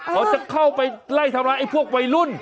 เขาจะเข้าไปไล่ทำร้ายไอ้พวกวัยรุ่น